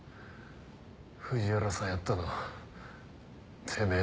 藤原さんやったのてめえなんだろ？